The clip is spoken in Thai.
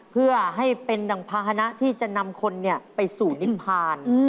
เพื่อให้เป็นดังภาษณะที่จะนำคนไปสู่นิพพาน